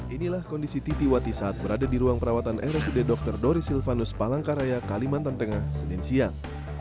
inilah kondisi titi wati saat berada di ruang perawatan rsud dr doris silvanus palangkaraya kalimantan tengah senin siang